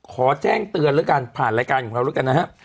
ขอแจ้งเตือนแล้วกันผ่านรายการของเราแล้วกันนะฮะ